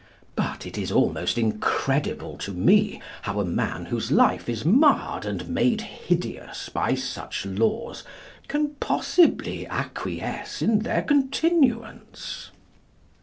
But it is almost incredible to me how a man whose life is marred and made hideous by such laws can possibly acquiesce in their continuance.